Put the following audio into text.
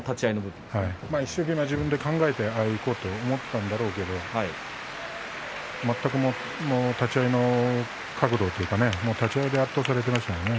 一生懸命自分が考えてああいこうと思ったんだろうけど全くもって立ち合いの角度というか圧倒されていましたね